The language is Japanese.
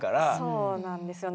そうなんですよね。